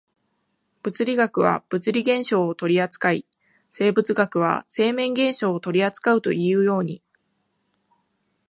物理学は物理現象を取扱い、生物学は生命現象を取扱うというように、